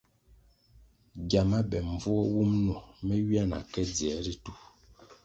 Gyama be mbvuo wum nwo me ywia na ke dziē ritu.